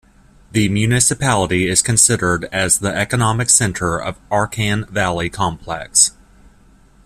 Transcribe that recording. The Municipality is considered as the Economic Center of Arakan Valley Complex.